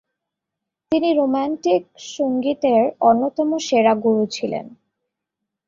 তিনি রোমান্টিক সংগীতের অন্যতম সেরা গুরু ছিলেন।